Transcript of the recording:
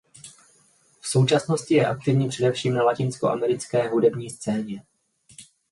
V současnosti je aktivní především na latinskoamerické hudební scéně.